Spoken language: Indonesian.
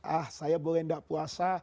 ah saya boleh tidak puasa